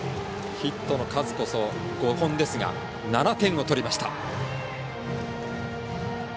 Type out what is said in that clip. ヒットの数こそ５本ですが７点を取りました。